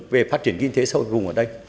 về phát triển kinh tế xã hội vùng ở đây